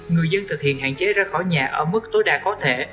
người dân thực hiện hạn chế ra khỏi nhà ở mức tối đa có thể